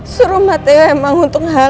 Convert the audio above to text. suruh mata ewa emang untuk nangiskan aku